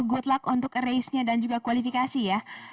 good luck untuk race nya dan juga kualifikasi ya